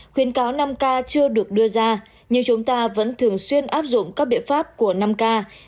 khuyến cáo năm k chưa được đưa ra nhưng chúng ta vẫn thường xuyên áp dụng các biện pháp của năm k